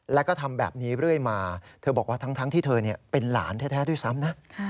แล้วก็ทำแบบนี้เรื่อยมาเธอบอกว่าทั้งที่เธอเป็นหลานแท้ด้วยซ้ำนะ